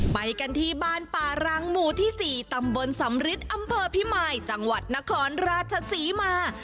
ไปกันที่บ้านป่ารังหมู่ที่๔ตำบลสำริทอำเภอพิมายจังหวัดนครราชศรีมา